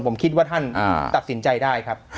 ผมคิดว่าท่านตัดสินใจได้ครับ